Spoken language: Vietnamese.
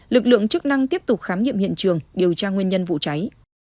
lực lượng chức năng tiếp tục khám nghiệm hiện trường điều tra nguyên nhân vụ cháy